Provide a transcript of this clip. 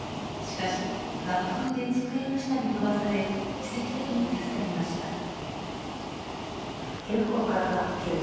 しかし爆風で机の下に飛ばされ奇跡的に助かりました。